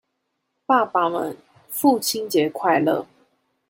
爸爸們父親節快樂！